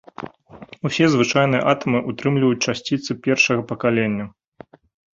Усе звычайныя атамы ўтрымліваюць часціцы першага пакалення.